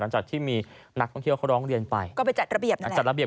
หลังจากที่มีนักท่องเที่ยวเขาร้องเรียนไปก็ไปจัดระเบียบ